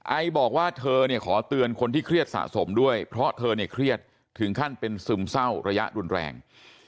ไอบอกว่าเธอเนี่ยขอเตือนคนที่เครียดสะสมด้วยเพราะเธอเนี่ยเครียดถึงขั้นเป็นซึมเศร้าระยะรุนแรง